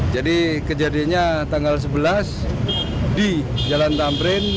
jadi kejadiannya tanggal sebelas di jalan tamrin